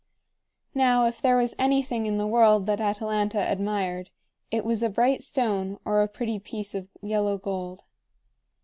Now, if there was anything in the world that Atalanta admired, it was a bright stone or a pretty piece of yellow gold.